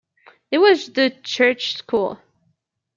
It was the church school.